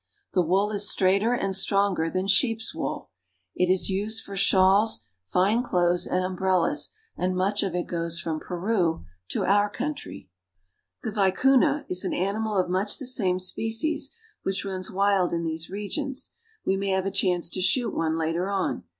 The wool is straighter and stronger than sheep's wool. It is used for shawls, fine clothes, and umbrellas, and much of it goes from Peru to our country. The vicuna (ve coon'ya) is an animal of much the same species, which runs wild in these regions. We may have a chance to shoot one later on.